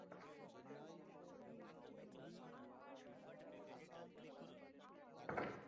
আর পাত্তাই পাবে না।